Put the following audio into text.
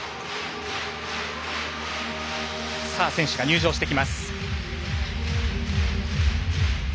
選手が入場してきます。